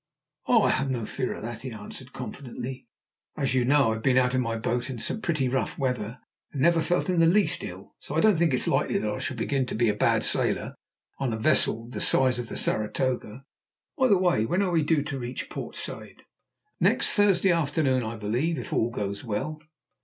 "Oh, I have no fear of that," he answered confidently. "As you know, I have been out in my boat in some pretty rough weather and never felt in the least ill, so I don't think it is likely that I shall begin to be a bad sailor on a vessel the size of the Saratoga. By the way, when are we due to reach Port Said?" "Next Thursday afternoon, I believe, if all goes well."